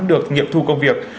được nghiệp thu công việc